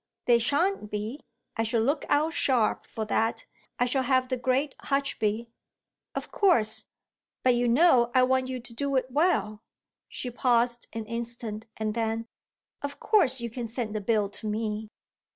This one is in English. "They shan't be; I shall look out sharp for that. I shall have the great Hutchby." "Of course; but you know I want you to do it well." She paused an instant and then: "Of course you can send the bill to me."